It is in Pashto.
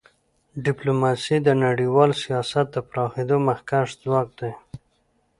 ډیپلوماسي د نړیوال سیاست د پراخېدو مخکښ ځواک دی.